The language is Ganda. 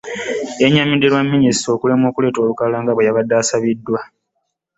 Yennyamidde olwa Minisita okulemwa okuleeta olukalala nga bwe yabadde asabiddwa.